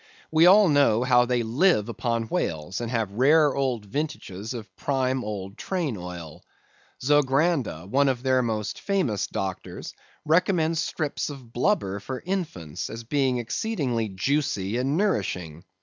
We all know how they live upon whales, and have rare old vintages of prime old train oil. Zogranda, one of their most famous doctors, recommends strips of blubber for infants, as being exceedingly juicy and nourishing.